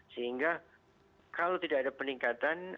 sehingga kalau tidak ada peningkatan